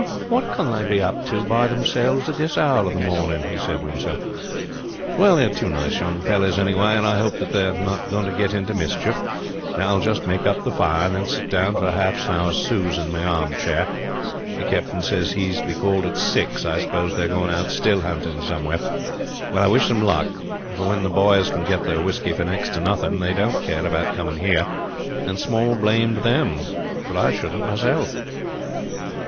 "What can they be up to by themselves at this hour of the morning?" he said to himself. "Well, they are two nice young fellows anyway, and I hope that they are not going to get into mischief. Now I will just make up the fire, and then sit down for an hour's snooze in my arm chair. The captain said he was to be called at six. I suppose they are going out still hunting somewhere. Well, I wish them luck; for when the boys can get their whisky for next to nothing they don't care about coming here, and small blame to them, for I shouldn't myself."